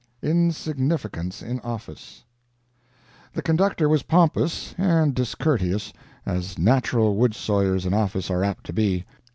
INSIGNIFICANCE IN OFFICE The conductor was pompous and discourteous, as natural wood sawyers in office are apt to be.